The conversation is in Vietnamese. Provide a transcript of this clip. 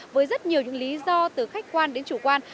với rất nhiều những lý do từ khách quan đến chủ quan